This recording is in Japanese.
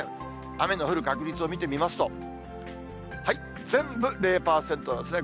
雨の降る確率を見てみますと、全部０％ですね。